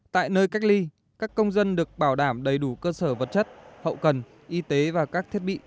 tại nơi cách ly các công dân được bảo đảm đầy đủ cơ sở vật chất hậu cần y tế và các thiết bị